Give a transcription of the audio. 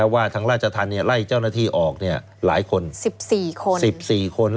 ว่าทางราชทันไล่เจ้าหน้าที่ออกหลายคนสิบสี่คน